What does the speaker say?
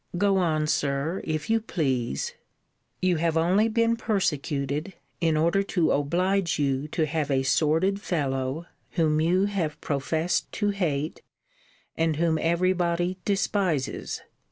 Go on, Sir, if you please! You have only been persecuted, in order to oblige you to have a sordid fellow, whom you have professed to hate, and whom every body despises!